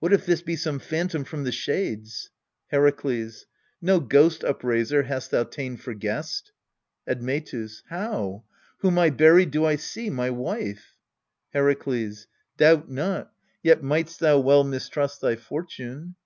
What if this be some phantom from the shades? Herakles. No ghost upraiser hast thou ta'en for guest. Admetus. How? whom I buried do I see my wife? Herakles. Doubt not : yet might'st thou well mistrust thy fortune.